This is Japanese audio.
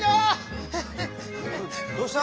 どうした？